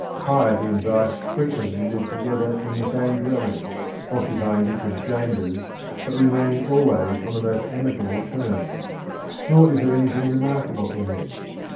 Piety and vice frequently live together in the same dwelling, occupying different chambers, but remaining always on the most amicable terms. Nor is there anything remarkable in this.